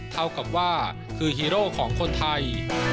เท่ากับว่าคือฮีโร่ของคนไทย